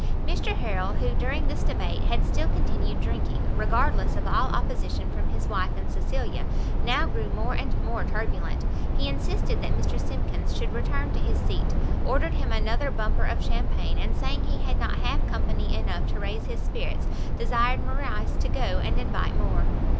Mr Harrel, who, during this debate, had still continued drinking, regardless of all opposition from his wife and Cecilia, now grew more and more turbulent; he insisted that Mr Simkins should return to his seat, ordered him another bumper of champagne, and saying he had not half company enough to raise his spirits, desired Morrice to go and invite more.